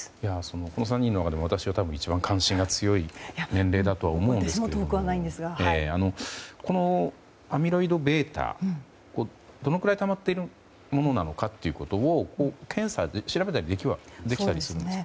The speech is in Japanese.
この３人の中で私が一番、関心が強い年齢だとは思うんですがこのアミロイドβ、どのくらいたまっているものなのか検査で調べたりできたりするんですか？